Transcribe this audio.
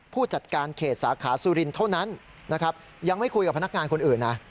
ผู้จัดการเขตสาขาสุรินทร์เท่านั้นนะครับยังไม่คุยกับพนักงานคนอื่นนะ